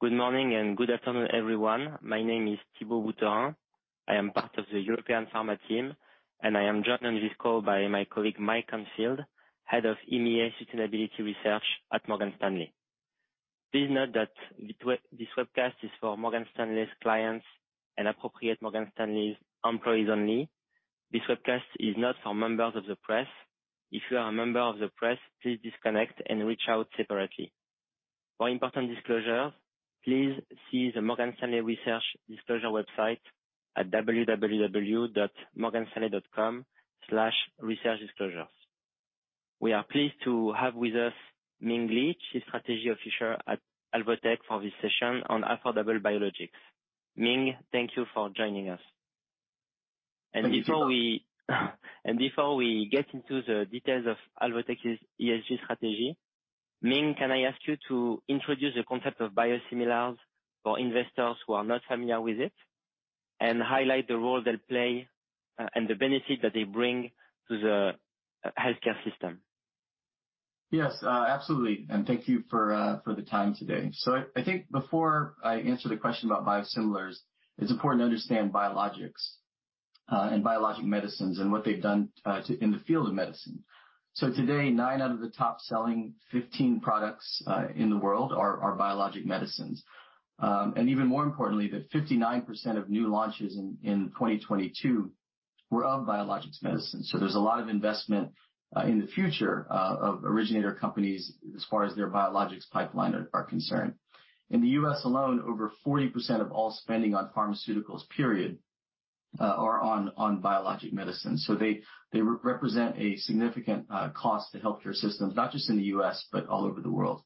Good morning and good afternoon, everyone. My name is Thibault Boutherin. I am part of the European Pharma team, and I am joined on this call by my colleague, Mike Canfield, Head of EMEA Sustainability Research at Morgan Stanley. Please note that this webcast is for Morgan Stanley's clients and appropriate Morgan Stanley employees only. This webcast is not for members of the press. If you are a member of the press, please disconnect and reach out separately. For important disclosures, please see the Morgan Stanley Research Disclosure website at www.morganstanley.com/researchdisclosures. We are pleased to have with us Ming Li, Chief Strategy Officer at Alvotech, for this session on affordable biologics. Ming, thank you for joining us. Thank you. Before we get into the details of Alvotech's ESG strategy, Ming, can I ask you to introduce the concept of biosimilars for investors who are not familiar with it and highlight the role they play, and the benefit that they bring to the healthcare system? Yes, absolutely, and thank you for the time today. I think before I answer the question about biosimilars, it's important to understand biologics and biologic medicines and what they've done in the field of medicine. Today, nine out of the top-selling 15 products in the world are biologic medicines. Even more importantly, that 59% of new launches in 2022 were of biologics medicine. There's a lot of investment in the future of originator companies as far as their biologics pipeline are concerned. In the U.S. alone, over 40% of all spending on pharmaceuticals, period, are on biologic medicine. They re-represent a significant cost to healthcare systems, not just in the U.S., but all over the world.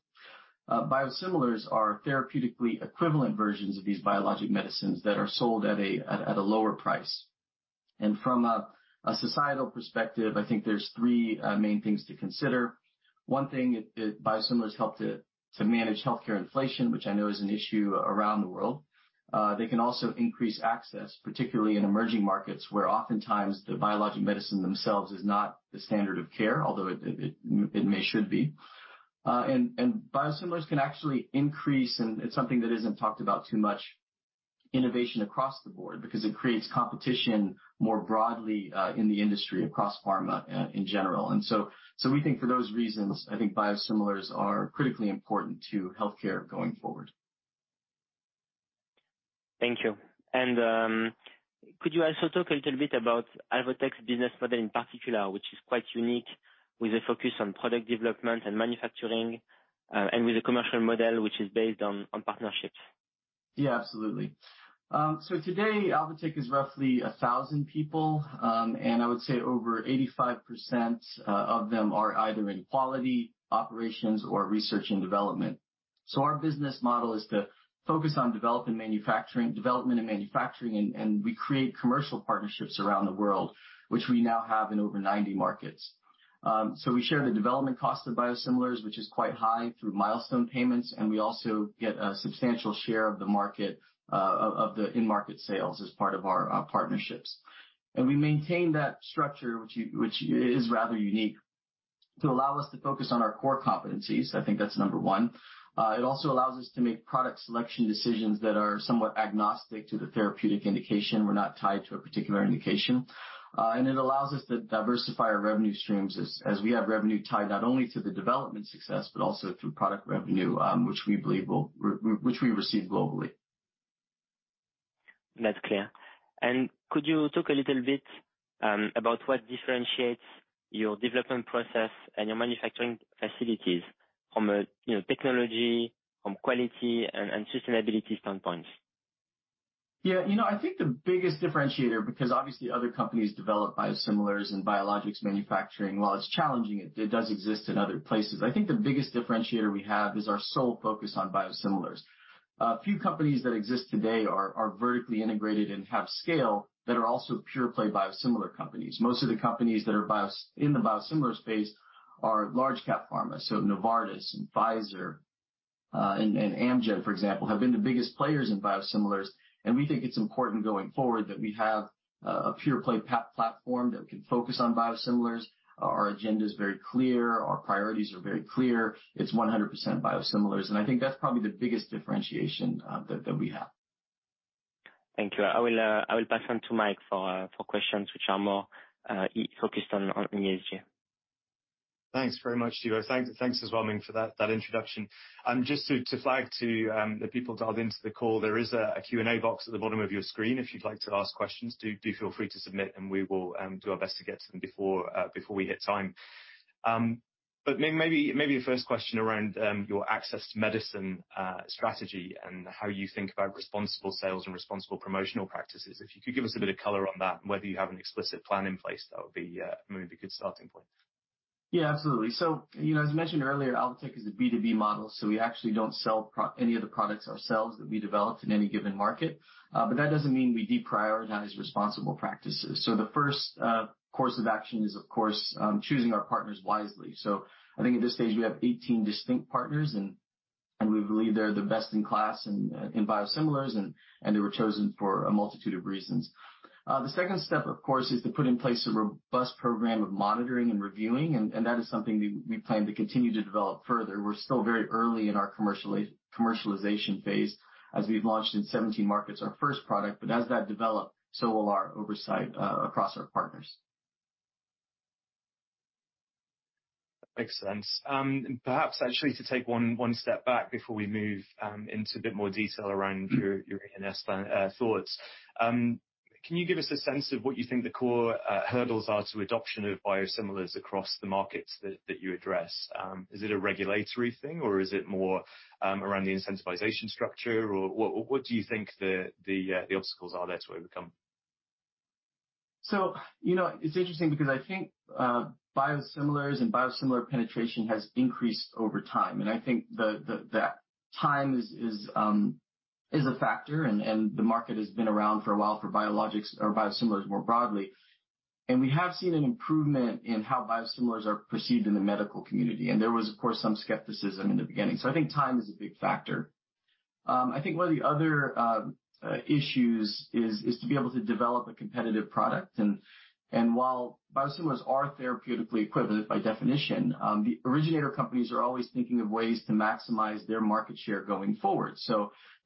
Biosimilars are therapeutically equivalent versions of these biologic medicines that are sold at a lower price. From a societal perspective, I think there's three main things to consider. One thing, biosimilars help to manage healthcare inflation, which I know is an issue around the world. They can also increase access, particularly in emerging markets, where oftentimes the biologic medicine themselves is not the standard of care, although it may should be. biosimilars can actually increase, and it's something that isn't talked about too much, innovation across the board because it creates competition more broadly in the industry across pharma in general. we think for those reasons, I think biosimilars are critically important to healthcare going forward. Thank you. Could you also talk a little bit about Alvotech's business model in particular, which is quite unique, with a focus on product development and manufacturing, and with a commercial model which is based on partnerships? Yeah, absolutely. Today, Alvotech is roughly 1,000 people, and I would say over 85% of them are either in quality, operations, or research and development. Our business model is to focus on development and manufacturing, and we create commercial partnerships around the world, which we now have in over 90 markets. We share the development cost of biosimilars, which is quite high, through milestone payments, and we also get a substantial share of the market of the in-market sales as part of our partnerships. We maintain that structure which is rather unique, to allow us to focus on our core competencies. I think that's number one. It also allows us to make product selection decisions that are somewhat agnostic to the therapeutic indication. We're not tied to a particular indication. It allows us to diversify our revenue streams as we have revenue tied not only to the development success, but also through product revenue, which we believe will which we receive globally. That's clear. Could you talk a little bit about what differentiates your development process and your manufacturing facilities from a, you know, technology, from quality and sustainability standpoints? Yeah. You know, I think the biggest differentiator, because obviously other companies develop biosimilars and biologics manufacturing. While it's challenging, it does exist in other places. I think the biggest differentiator we have is our sole focus on biosimilars. A few companies that exist today are vertically integrated and have scale that are also pure play biosimilar companies. Most of the companies that are in the biosimilar space are large cap pharma. Novartis and Pfizer, and Amgen, for example, have been the biggest players in biosimilars. We think it's important going forward that we have a pure play platform that can focus on biosimilars. Our agenda is very clear. Our priorities are very clear. It's 100% biosimilars, and I think that's probably the biggest differentiation that we have. Thank you. I will pass on to Mike for questions which are more e-focused on ESG. Thanks very much, Thibault. Thanks as well, Ming, for that introduction. Just to flag to the people dialed into the call, there is a Q&A box at the bottom of your screen. If you'd like to ask questions, do feel free to submit, and we will do our best to get to them before we hit time. Maybe a first question around your access to medicine strategy and how you think about responsible sales and responsible promotional practices. If you could give us a bit of color on that and whether you have an explicit plan in place, that would be maybe a good starting point. Yeah, absolutely. You know, as mentioned earlier, Alvotech is a B2B model, so we actually don't sell any of the products ourselves that we developed in any given market. That doesn't mean we deprioritize responsible practices. The first course of action is, of course, choosing our partners wisely. I think at this stage, we have 18 distinct partners, And we believe they're the best in class in biosimilars, and they were chosen for a multitude of reasons. The second step, of course, is to put in place a robust program of monitoring and reviewing, and that is something we plan to continue to develop further. We're still very early in our commercialization phase as we've launched in 17 markets our first product. As that develops, so will our oversight across our partners. Makes sense. Perhaps actually to take one step back before we move into a bit more detail around your NS thoughts. Can you give us a sense of what you think the core hurdles are to adoption of biosimilars across the markets that you address? Is it a regulatory thing, or is it more around the incentivization structure? What do you think the obstacles are there to overcome? You know, it's interesting because I think biosimilars and biosimilar penetration has increased over time, and I think that time is a factor, and the market has been around for a while for biologics or biosimilars more broadly. We have seen an improvement in how biosimilars are perceived in the medical community. There was, of course, some skepticism in the beginning. I think time is a big factor. I think one of the other issues is to be able to develop a competitive product. While biosimilars are therapeutically equivalent by definition, the originator companies are always thinking of ways to maximize their market share going forward.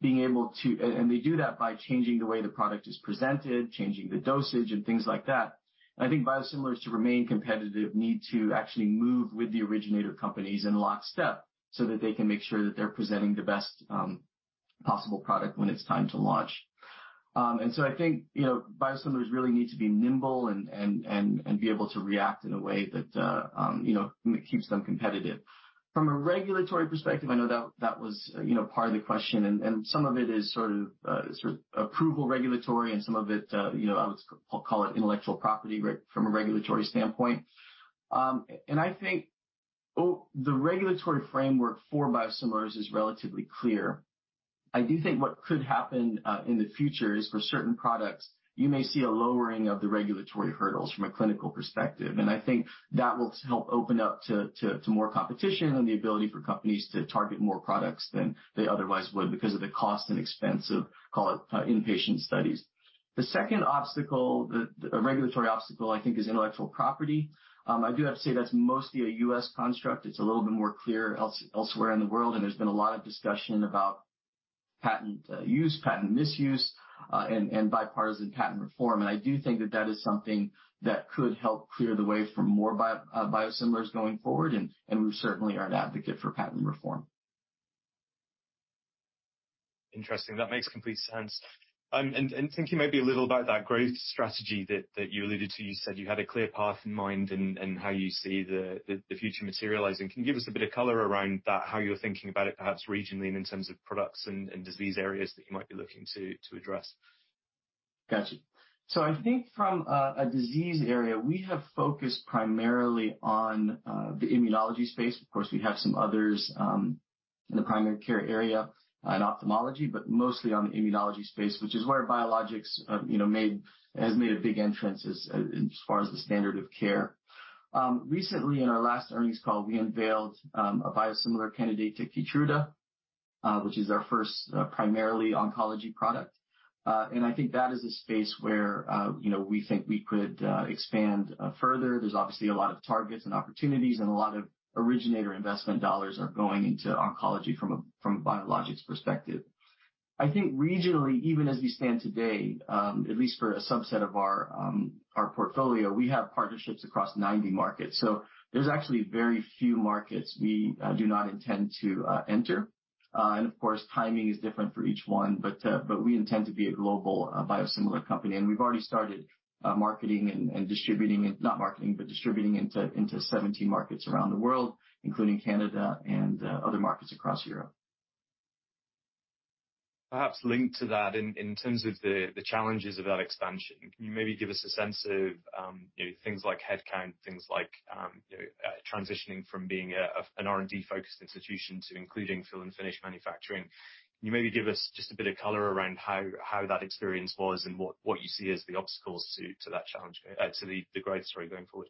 Being able to. They do that by changing the way the product is presented, changing the dosage and things like that. I think biosimilars, to remain competitive, need to actually move with the originator companies in lockstep so that they can make sure that they're presenting the best possible product when it's time to launch. So I think, you know, biosimilars really need to be nimble and be able to react in a way that, you know, keeps them competitive. From a regulatory perspective, I know that was, you know, part of the question, and some of it is sort of, sort of approval regulatory and some of it, you know, I would call it intellectual property from a regulatory standpoint. I think, the regulatory framework for biosimilars is relatively clear. I do think what could happen in the future is for certain products, you may see a lowering of the regulatory hurdles from a clinical perspective. I think that will help open up to more competition and the ability for companies to target more products than they otherwise would because of the cost and expense of, call it, inpatient studies. The second obstacle, the regulatory obstacle, I think, is intellectual property. I do have to say that's mostly a U.S. construct. It's a little bit more clear elsewhere in the world, and there's been a lot of discussion about patent use, patent misuse, and bipartisan patent reform. I do think that that is something that could help clear the way for more biosimilars going forward, and we certainly are an advocate for patent reform. Interesting. That makes complete sense. Thinking maybe a little about that growth strategy that you alluded to, you said you had a clear path in mind and how you see the future materializing. Can you give us a bit of color around that, how you're thinking about it, perhaps regionally and in terms of products and disease areas that you might be looking to address? Got you. I think from a disease area, we have focused primarily on the immunology space. Of course, we have some others in the primary care area and ophthalmology, but mostly on the immunology space, which is where biologics, you know, has made a big entrance as far as the standard of care. Recently in our last earnings call, we unveiled a biosimilar candidate to Keytruda, which is our first primarily oncology product. I think that is a space where, you know, we think we could expand further. There's obviously a lot of targets and opportunities, and a lot of originator investment dollars are going into oncology from a biologics perspective. I think regionally, even as we stand today, at least for a subset of our portfolio, we have partnerships across 90 markets. There's actually very few markets we do not intend to enter. Of course, timing is different for each one. We intend to be a global biosimilar company, and we've already started marketing and distributing it... Not marketing, but distributing into 17 markets around the world, including Canada and other markets across Europe. Perhaps linked to that in terms of the challenges of that expansion, can you maybe give us a sense of, you know, things like headcount, things like, you know, transitioning from being an R&D-focused institution to including fill and finish manufacturing? Can you maybe give us just a bit of color around how that experience was and what you see as the obstacles to that challenge, to the growth story going forward?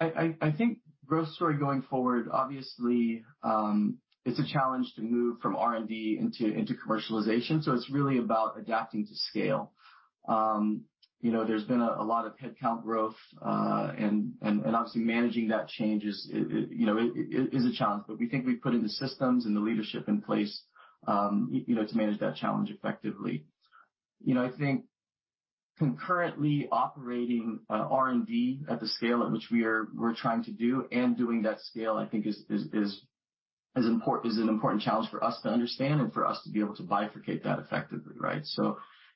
I think growth story going forward, obviously, it's a challenge to move from R&D into commercialization, so it's really about adapting to scale. You know, there's been a lot of headcount growth, and obviously managing that change is, you know, it is a challenge. We think we've put in the systems and the leadership in place, you know, to manage that challenge effectively. I think concurrently operating R&D at the scale at which we're trying to do and doing that scale, I think is an important challenge for us to understand and for us to be able to bifurcate that effectively, right?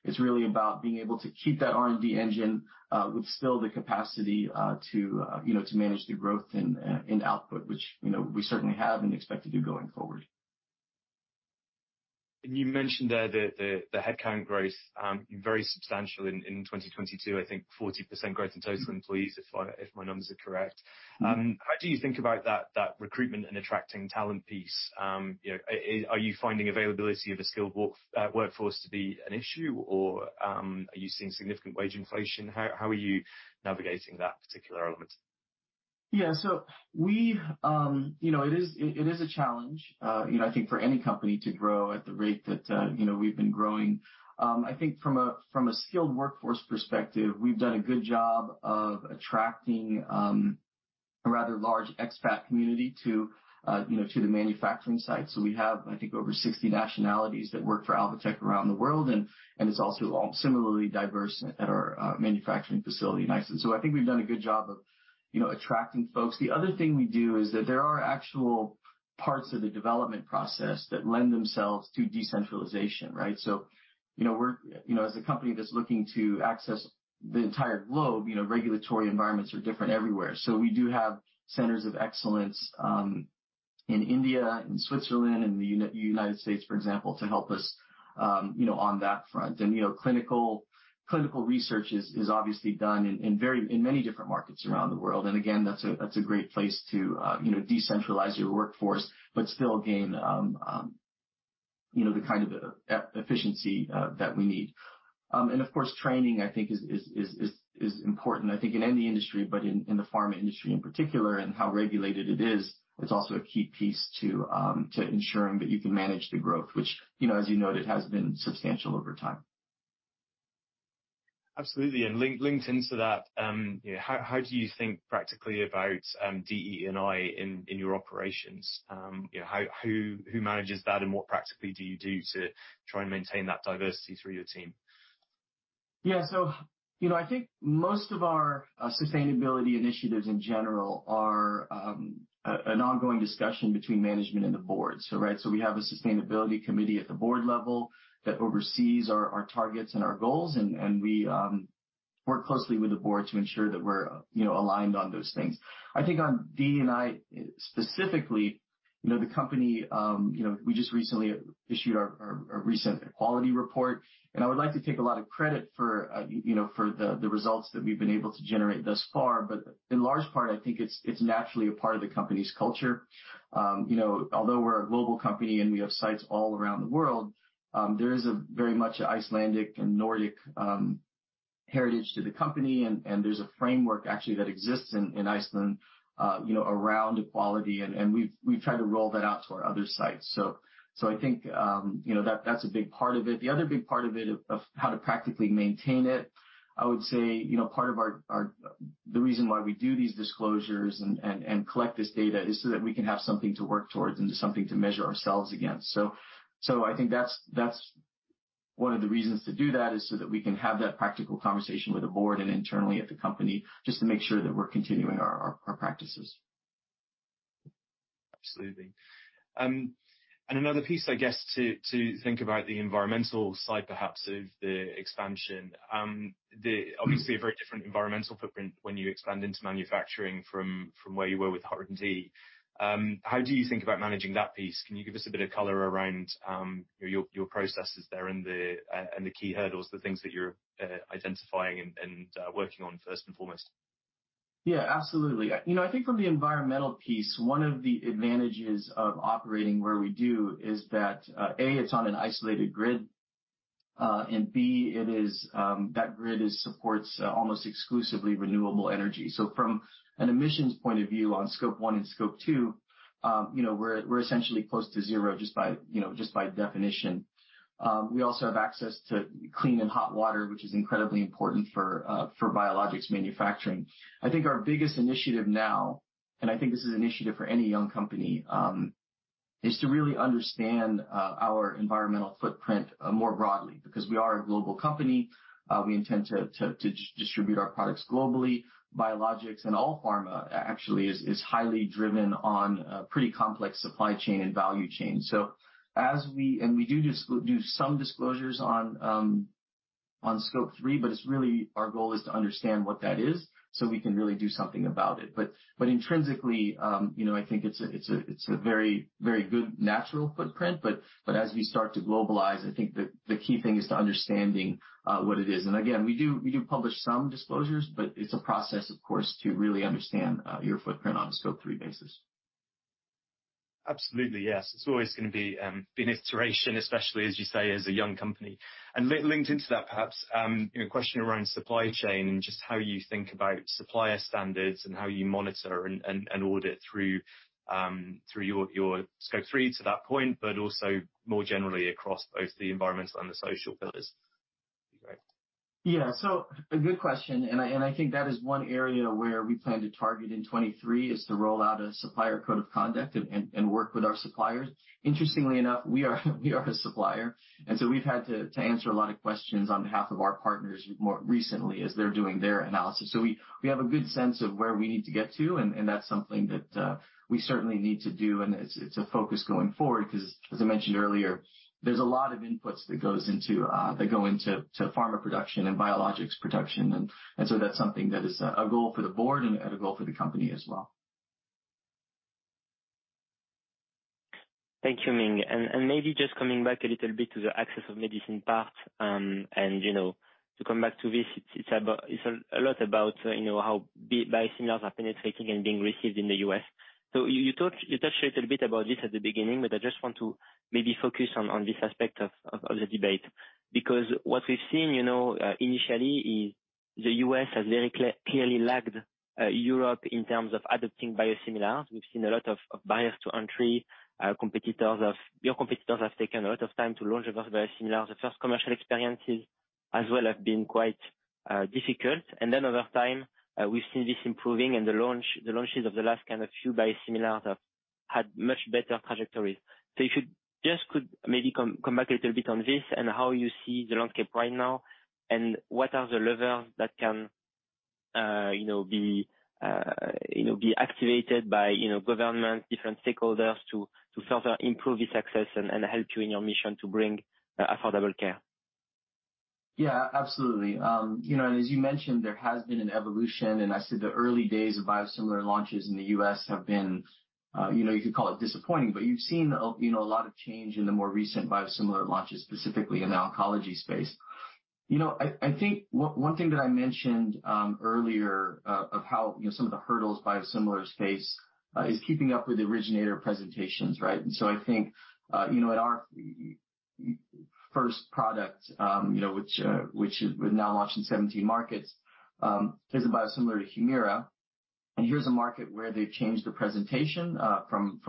It's really about being able to keep that R&D engine, with still the capacity, to, you know, to manage the growth and output, which, you know, we certainly have and expect to do going forward. You mentioned there the headcount growth, very substantial in 2022. I think 40% growth in total employees, if my numbers are correct. How do you think about that recruitment and attracting talent piece? You know, are you finding availability of a skilled workforce to be an issue, or are you seeing significant wage inflation? How are you navigating that particular element? We, you know, it is, it is a challenge, you know, I think for any company to grow at the rate that, you know, we've been growing. I think from a, from a skilled workforce perspective, we've done a good job of attracting a rather large expat community to, you know, to the manufacturing site. We have, I think, over 60 nationalities that work for Alvotech around the world. It's also all similarly diverse at our manufacturing facility in Iceland. I think we've done a good job of, you know, attracting folks. The other thing we do is that there are actual parts of the development process that lend themselves to decentralization, right? You know, we're, you know, as a company that's looking to access the entire globe, you know, regulatory environments are different everywhere. We do have centers of excellence in India and Switzerland and the United States, for example, to help us, you know, on that front. You know, clinical research is obviously done in many different markets around the world. Again, that's a, that's a great place to, you know, decentralize your workforce, but still gain, you know, the kind of efficiency that we need. Of course, training, I think, is important, I think in any industry, but in the pharma industry in particular and how regulated it is, it's also a key piece to ensuring that you can manage the growth, which, you know, as you noted, has been substantial over time. Absolutely. linked into that, how do you think practically about DE&I in your operations? you know, Who manages that, and what practically do you do to try and maintain that diversity through your team? You know, I think most of our sustainability initiatives in general are an ongoing discussion between management and the board. Right? We have a Corporate Sustainability Committee at the board level that oversees our targets and our goals. We work closely with the board to ensure that we're, you know, aligned on those things. I think on DE&I specifically, you know, the company, you know, we just recently issued our recent Equality Report, and I would like to take a lot of credit for, you know, for the results that we've been able to generate thus far. In large part, I think it's naturally a part of the company's culture. you know, although we're a global company and we have sites all around the world, there is a very much Icelandic and Nordic heritage to the company. There's a framework actually that exists in Iceland, you know, around equality. We've tried to roll that out to our other sites. I think, you know, that's a big part of it. The other big part of it, of how to practically maintain it, I would say, you know, part of the reason why we do these disclosures and collect this data is so that we can have something to work towards and something to measure ourselves against. I think that's one of the reasons to do that, is so that we can have that practical conversation with the board and internally at the company just to make sure that we're continuing our practices. Absolutely. Another piece, I guess, to think about the environmental side, perhaps, of the expansion. Mm-hmm. Obviously a very different environmental footprint when you expand into manufacturing from where you were with HoReCa. How do you think about managing that piece? Can you give us a bit of color around your processes there and the key hurdles, the things that you're identifying and working on first and foremost? Yeah, absolutely. You know, I think from the environmental piece, one of the advantages of operating where we do is that A, it's on an isolated grid, B, it is that grid is supports almost exclusively renewable energy. From an emissions point of view on Scope 1 and Scope 2, you know, we're essentially close to zero just by, you know, just by definition. We also have access to clean and hot water, which is incredibly important for biologics manufacturing. I think our biggest initiative now, I think this is an initiative for any young company, is to really understand our environmental footprint more broadly. Because we are a global company, we intend to distribute our products globally. Biologics and all pharma actually is highly driven on a pretty complex supply chain and value chain. As we do some disclosures on Scope 3, but it's really our goal is to understand what that is so we can really do something about it. Intrinsically, you know, I think it's a very, very good natural footprint. As we start to globalize, I think the key thing is to understanding what it is. Again, we do publish some disclosures, but it's a process, of course, to really understand your footprint on a Scope 3 basis. Absolutely, yes. It's always gonna be an iteration, especially as you say, as a young company. Linked into that, perhaps, you know, question around supply chain and just how you think about supplier standards and how you monitor and audit through your Scope 3 to that point, but also more generally across both the environmental and the social pillars. Be great. Yeah. A good question, I think that is one area where we plan to target in 23, is to roll out a supplier code of conduct and work with our suppliers. Interestingly enough, we are a supplier, we've had to answer a lot of questions on behalf of our partners more recently as they're doing their analysis. We have a good sense of where we need to get to, that's something that we certainly need to do. It's a focus going forward 'cause as I mentioned earlier, there's a lot of inputs that go into pharma production and biologics production. That's something that is a goal for the board and a goal for the company as well. Thank you, Ming. Maybe just coming back a little bit to the access of medicine part, and, you know, to come back to this, it's about, it's a lot about, you know, how biosimilars are penetrating and being received in the U.S. You touched a little bit about this at the beginning, but I just want to maybe focus on this aspect of the debate. What we've seen, you know, initially is the U.S. has very clearly lagged Europe in terms of adopting biosimilars. We've seen a lot of barriers to entry. Your competitors have taken a lot of time to launch biosimilars. The first commercial experiences as well have been quite difficult. Over time, we've seen this improving and the launches of the last kind of few biosimilars have had much better trajectories. If you just could maybe come back a little bit on this and how you see the landscape right now, and what are the levers that can, you know, be, you know, be activated by, you know, government, different stakeholders to further improve this access and help you in your mission to bring, affordable care? Yeah, absolutely. You know, as you mentioned, there has been an evolution, and I'd say the early days of biosimilar launches in the U.S. have been, you know, you could call it disappointing. You've seen a, you know, a lot of change in the more recent biosimilar launches, specifically in the oncology space. You know, I think one thing that I mentioned earlier, of how, you know, some of the hurdles biosimilars face, is keeping up with the originator presentations, right? I think, you know, at our first product, you know, which is now launched in 17 markets, is a biosimilar to HUMIRA. Here's a market where they've changed the presentation, from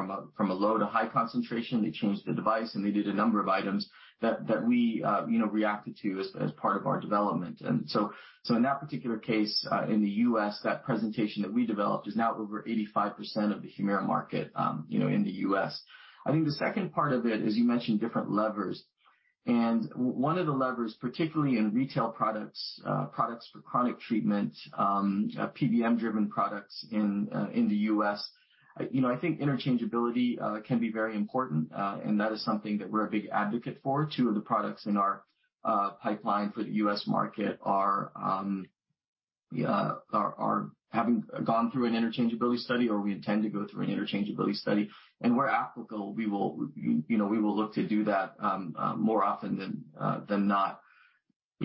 a low to high concentration. They changed the device, they did a number of items that we, you know, reacted to as part of our development. In that particular case, in the U.S., that presentation that we developed is now over 85% of the Humira market, you know, in the U.S. I think the second part of it, as you mentioned, different levers. One of the levers, particularly in retail products for chronic treatment, PBM driven products in the U.S., you know, I think interchangeability can be very important. That is something that we're a big advocate for. Two of the products in our pipeline for the U.S. market are having gone through an interchangeability study or we intend to go through an interchangeability study. Where applicable, we will, you know, we will look to do that more often than not.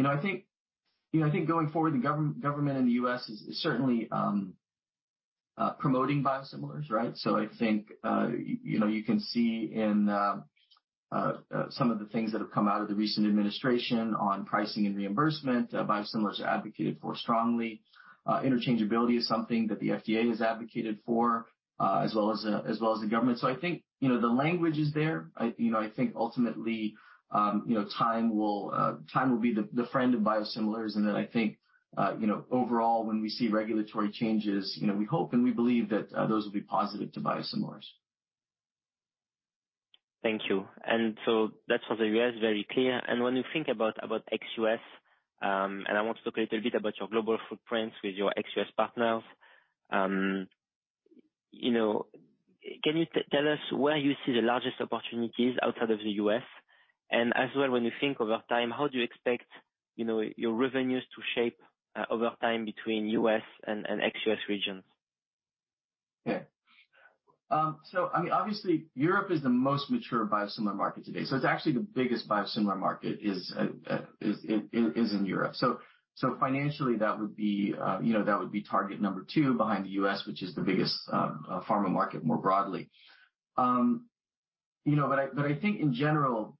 I think, you know, I think going forward, the government in the U.S. is certainly promoting biosimilars, right? I think, you know, you can see in some of the things that have come out of the recent administration on pricing and reimbursement, biosimilars are advocated for strongly. Interchangeability is something that the FDA has advocated for as well as the government. I think, you know, the language is there. I, you know, I think ultimately, you know, time will be the friend of biosimilars, and that I think, you know, overall, when we see regulatory changes, you know, we hope and we believe that those will be positive to biosimilars. Thank you. That's for the U.S., very clear. When you think about ex-U.S., I want to talk a little bit about your global footprints with your ex-U.S. partners. You know, can you tell us where you see the largest opportunities outside of the U.S.? As well, when you think over time, how do you expect, you know, your revenues to shape over time between U.S. and ex-U.S. regions? Yeah. I mean, obviously, Europe is the most mature biosimilar market today. It's actually the biggest biosimilar market is in Europe. Financially, that would be, you know, that would be target number two behind the U.S., which is the biggest, pharma market more broadly. You know, but I, but I think in general,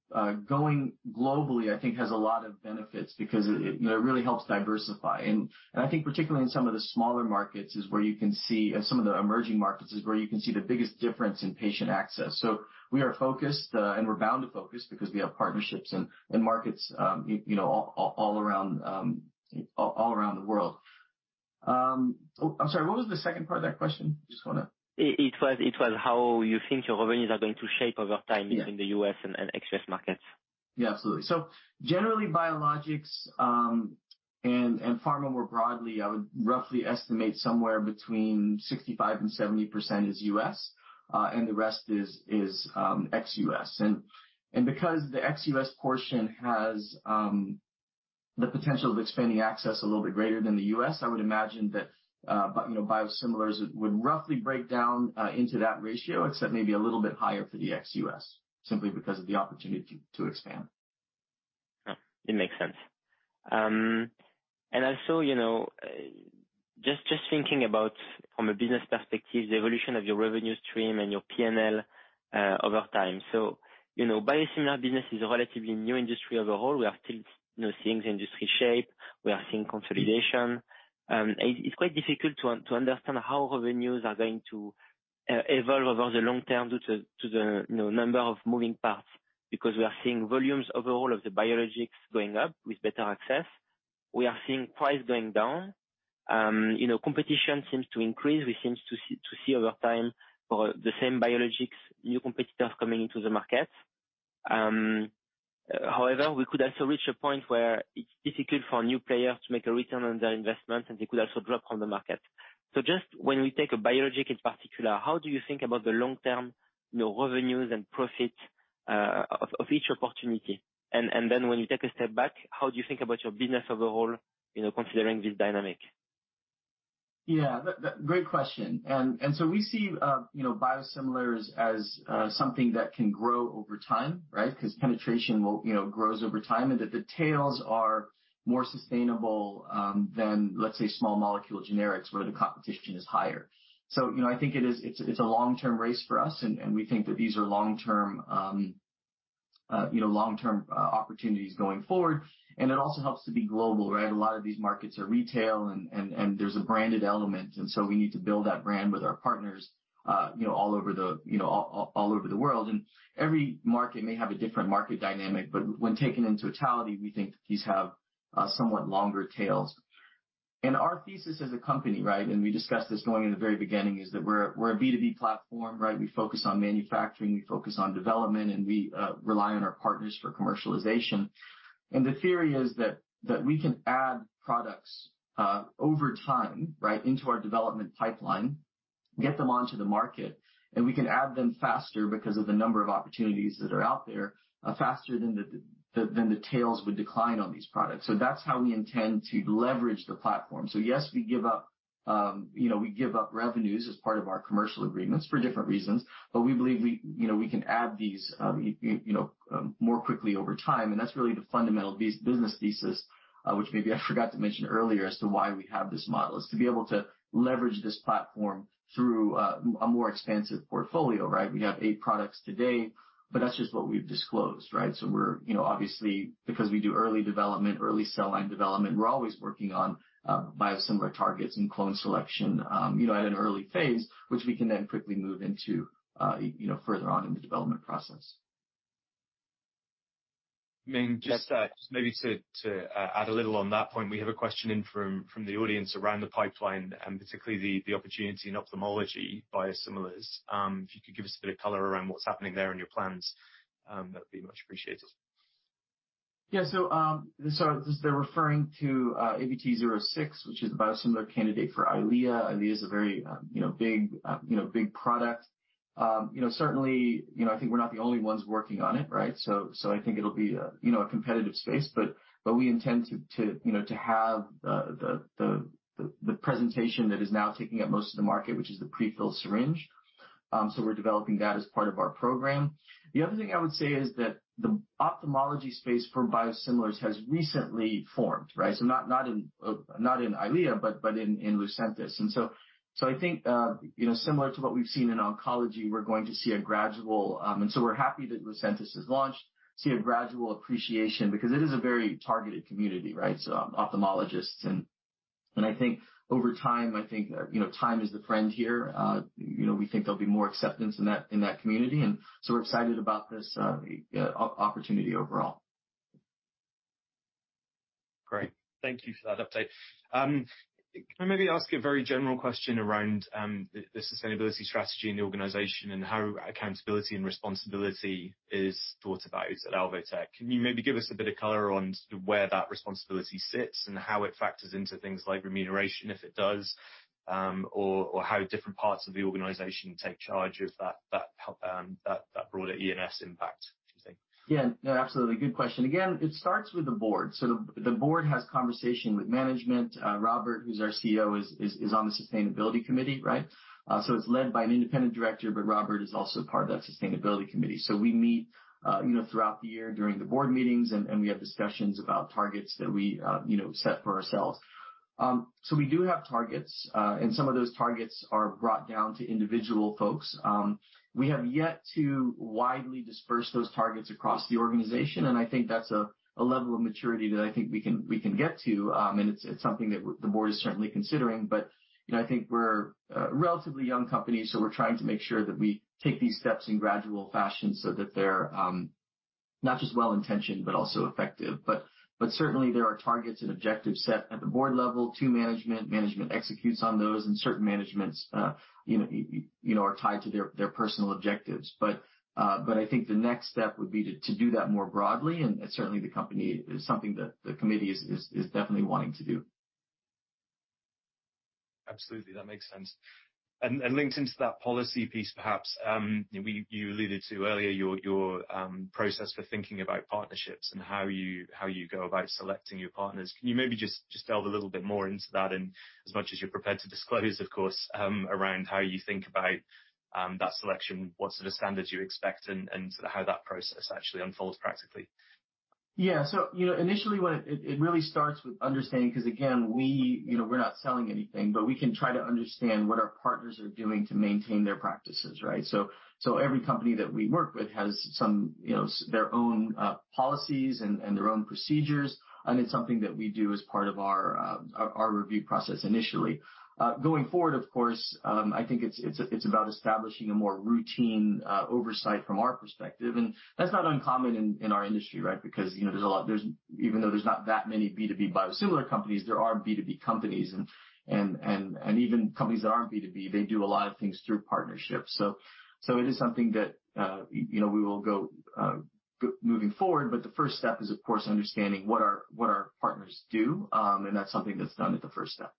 going globally, I think has a lot of benefits because it, you know, really helps diversify. I think particularly in some of the smaller markets is where you can see some of the emerging markets is where you can see the biggest difference in patient access. We are focused, and we're bound to focus because we have partnerships in markets, you know, all around, all around the world. Oh, I'm sorry, what was the second part of that question? It was how you think your revenues are going to shape over time. Yeah. Between the U.S. and ex-U.S. markets. Yeah, absolutely. Generally, biologics, and pharma more broadly, I would roughly estimate somewhere between 65% and 70% is U.S., and the rest is ex-U.S. Because the ex-U.S. portion has the potential of expanding access a little bit greater than the U.S., I would imagine that you know, biosimilars would roughly break down into that ratio, except maybe a little bit higher for the ex-U.S., simply because of the opportunity to expand. It makes sense. Also, you know, just thinking about from a business perspective, the evolution of your revenue stream and your P&L over time. You know, biosimilar business is a relatively new industry overall. We are still, you know, seeing the industry shape. We are seeing consolidation. It's quite difficult to understand how revenues are going to evolve over the long term due to the, you know, number of moving parts, because we are seeing volumes overall of the biologics going up with better access. We are seeing price going down. You know, competition seems to increase. We seem to see over time for the same biologics, new competitors coming into the market. However, we could also reach a point where it's difficult for new players to make a return on their investment, and they could also drop on the market. Just when we take a biologic in particular, how do you think about the long term, you know, revenues and profit of each opportunity? Then when you take a step back, how do you think about your business overall, you know, considering this dynamic? Yeah. Great question. So we see, you know, biosimilars as something that can grow over time, right? 'Cause penetration will, you know, grows over time, and that the tails are more sustainable than, let's say, small molecule generics where the competition is higher. You know, I think it is, it's a long-term race for us, and we think that these are long-term, you know, opportunities going forward. It also helps to be global, right? A lot of these markets are retail and there's a branded element, and so we need to build that brand with our partners, you know, all over the world. Every market may have a different market dynamic, but when taken in totality, we think these have somewhat longer tails. Our thesis as a company, right? We discussed this going in the very beginning, is that we're a B2B platform, right? We focus on manufacturing, we focus on development, we rely on our partners for commercialization. The theory is that we can add products over time, right? Into our development pipeline, get them onto the market, we can add them faster because of the number of opportunities that are out there faster than the tails would decline on these products. That's how we intend to leverage the platform. Yes, we give up, you know, we give up revenues as part of our commercial agreements for different reasons, but we believe we, you know, we can add these, you know, more quickly over time. That's really the fundamental business thesis, which maybe I forgot to mention earlier as to why we have this model. Is to be able to leverage this platform through a more expansive portfolio, right? We have eight products today, but that's just what we've disclosed, right? We're, you know, obviously because we do early development, early cell line development, we're always working on biosimilar targets and clone selection, you know, at an early phase, which we can then quickly move into, you know, further on in the development process. Ming, just maybe to add a little on that point, we have a question in from the audience around the pipeline and particularly the opportunity in ophthalmology biosimilars. If you could give us a bit of color around what's happening there and your plans, that would be much appreciated. Yeah. Just they're referring to AVT06, which is the biosimilar candidate for Eylea. Eylea is a very, you know, big, you know, big product. You know, certainly, you know, I think we're not the only ones working on it, right? I think it'll be a, you know, a competitive space, but we intend to, you know, to have the presentation that is now taking up most of the market, which is the pre-filled syringe. We're developing that as part of our program. The other thing I would say is that the ophthalmology space for biosimilars has recently formed, right? Not, not in, not in Eylea, but in Lucentis. I think, you know, similar to what we've seen in oncology, we're going to see a gradual. We're happy that Lucentis has launched. See a gradual appreciation because it is a very targeted community, right? Ophthalmologists and I think over time, I think, you know, time is the friend here. You know, we think there'll be more acceptance in that community, we're excited about this opportunity overall. Great. Thank you for that update. Can I maybe ask a very general question around the sustainability strategy in the organization and how accountability and responsibility is thought about at Alvotech? Can you maybe give us a bit of color on where that responsibility sits and how it factors into things like remuneration, if it does, or how different parts of the organization take charge of that broader ESG impact, do you think? Yeah. No, absolutely. Good question. Again, it starts with the board. The board has conversation with management. Robert, who's our CEO, is on the Sustainability Committee, right? It's led by an independent director, but Robert is also part of that Sustainability Committee. We meet, you know, throughout the year during the board meetings, and we have discussions about targets that we, you know, set for ourselves. We do have targets, and some of those targets are brought down to individual folks. We have yet to widely disperse those targets across the organization, and I think that's a level of maturity that I think we can get to. It's something that the board is certainly considering. You know, I think we're a relatively young company, so we're trying to make sure that we take these steps in gradual fashion so that they're not just well-intentioned, but also effective. Certainly there are targets and objectives set at the board level to management. Management executes on those, and certain managements, you know, are tied to their personal objectives. I think the next step would be to do that more broadly, and certainly the company is something that the committee is definitely wanting to do. Absolutely. That makes sense. Linked into that policy piece perhaps, you know, you alluded to earlier your process for thinking about partnerships and how you go about selecting your partners. Can you maybe just delve a little bit more into that and as much as you're prepared to disclose, of course, around how you think about that selection, what sort of standards you expect and sort of how that process actually unfolds practically? Initially, you know, it really starts with understanding, 'cause again, we, you know, we're not selling anything, but we can try to understand what our partners are doing to maintain their practices, right? Every company that we work with has some, you know, their own policies and their own procedures, and it's something that we do as part of our review process initially. Going forward, of course, I think it's about establishing a more routine oversight from our perspective. That's not uncommon in our industry, right? Because, you know, even though there's not that many B2B biosimilar companies, there are B2B companies and even companies that aren't B2B, they do a lot of things through partnerships. It is something that, you know, we will go moving forward, but the first step is, of course, understanding what our partners do. That's something that's done at the first step.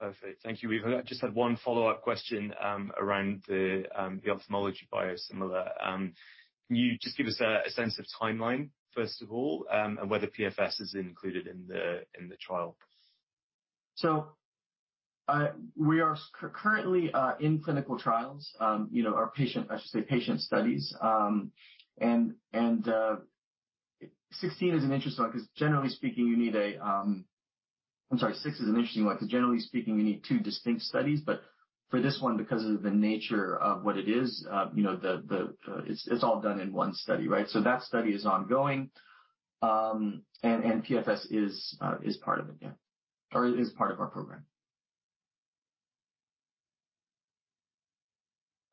Perfect. Thank you. We've just had one follow-up question around the ophthalmology biosimilar. Can you just give us a sense of timeline, first of all, and whether PFS is included in the trial? We are currently in clinical trials, you know, I should say patient studies. Six is an interesting one 'cause generally speaking, you need two distinct studies. For this one, because of the nature of what it is, you know, it's all done in one study, right. That study is ongoing. PFS is part of it, yeah. Or is part of our program.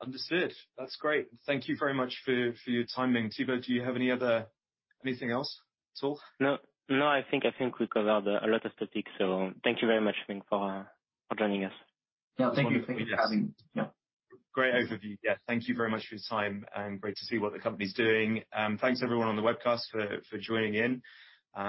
Understood. That's great. Thank you very much for your time, Ming. Thibault, do you have Anything else at all? No. I think we covered a lot of topics, so thank you very much, Ming, for joining us. Yeah. Thank you. Thank you for having me. Yeah. Great overview. Yeah. Thank you very much for your time and great to see what the company's doing. Thanks everyone on the webcast for joining in.